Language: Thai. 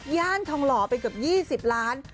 ย่านทองหล่อไปเกือบ๒๐ล้าน